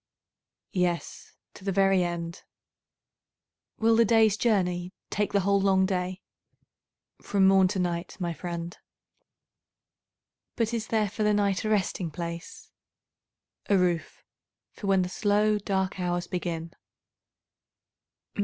Yes, to the very end. Will the day's journey take the whole long day? From morn to night, my friend. But is there for the night a resting place? A roof for when the slow dark hours begin.